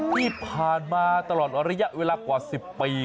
ที่ผ่านมาตลอดระยะเวลากว่า๑๐ปี